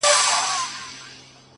د همدې شپې په سهار کي يې ويده کړم-